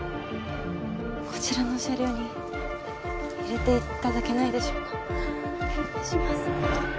こちらの車両に入れていただけないでしょうかお願いします